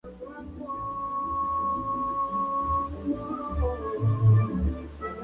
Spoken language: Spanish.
Como tal, inspiró leyes básicas para la reconstrucción y el ordenamiento del país.